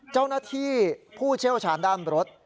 เจ้าหน้าที่ผู้เชี่ยวชาญด้านรถ